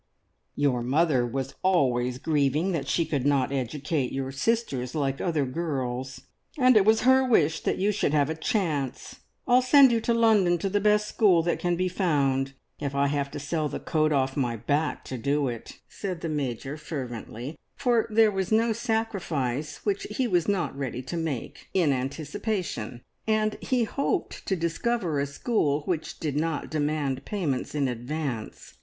"Your mother was always grieving that she could not educate your sisters like other girls, and it was her wish that you should have a chance. I'll send you to London to the best school that can be found, if I have to sell the coat off my back to do it," said the Major fervently; for there was no sacrifice which he was not ready to make in anticipation, and he hoped to discover a school which did not demand payments in advance.